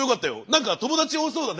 なんか友達多そうだね。